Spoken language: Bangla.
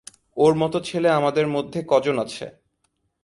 ওর মতো ছেলে আমাদের মধ্যে কজন আছে?